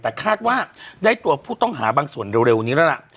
แต่คาดว่าได้ตัวผู้ต้องหาบางส่วนเร็วนี้แล้วล่ะ